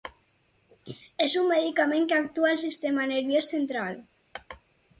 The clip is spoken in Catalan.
És un medicament que actua al sistema nerviós central.